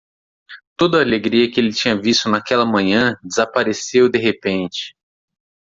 Toda a alegria que ele tinha visto naquela manhã desapareceu de repente.